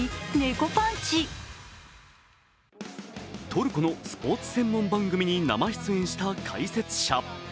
トルコのスポーツ専門番組に生出演した解説者。